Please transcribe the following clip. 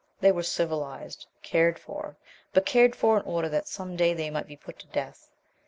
They were civilized, cared for but cared for in order that some day they might be put to death.